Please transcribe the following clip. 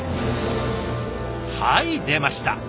はい出ました。